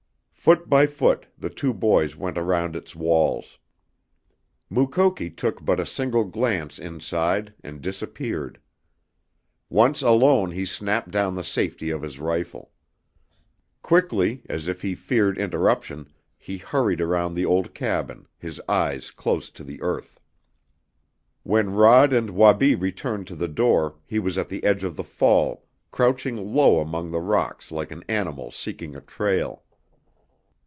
Foot by foot the two boys went around its walls. Mukoki took but a single glance inside and disappeared. Once alone he snapped down the safety of his rifle. Quickly, as if he feared interruption, he hurried around the old cabin, his eyes close to the earth. When Rod and Wabi returned to the door he was at the edge of the fall, crouching low among the rocks like an animal seeking a trail.